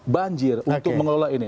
banjir untuk mengelola ini